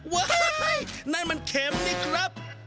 ว้ายนั่นมันเข็มนี่ครับ